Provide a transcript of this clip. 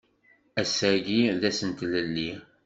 Ass-agi d ass n tlelli